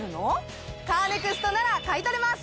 カーネクストなら買い取れます！